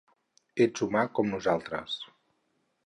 Ets humà, com nosaltres.